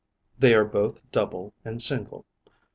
They are both double and single.